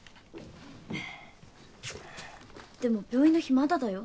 でも病院の日まだだよ？